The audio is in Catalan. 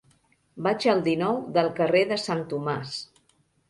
Vaig al dinou del carrer de Sant Tomàs.